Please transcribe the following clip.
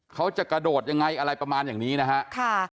เขาจะกระโดดยังไงอะไรประมาณอย่างนี้นะฮะค่ะ